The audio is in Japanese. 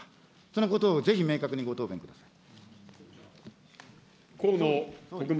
そのことをぜひ明確にご答弁ください。